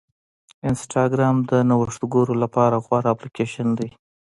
انسټاګرام د نوښتګرو لپاره غوره اپلیکیشن دی.